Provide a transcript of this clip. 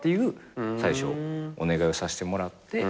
最初お願いをさせてもらって。